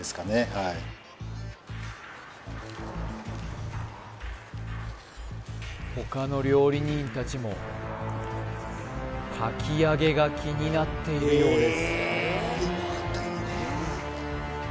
はい他の料理人たちもかきあげが気になっているようです